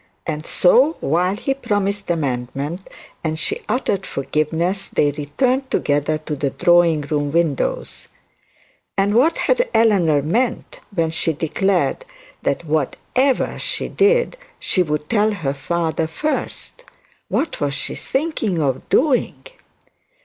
And so, while he promised amendment and she uttered forgiveness, they returned together to the drawing room windows. And what had Eleanor meant when she declared that whatever she did, she would tell her father first? What was she thinking of doing?